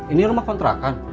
ini rumah kontrakan